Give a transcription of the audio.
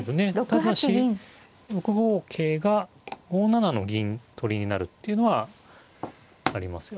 ただし６五桂が５七の銀取りになるっていうのはありますよね。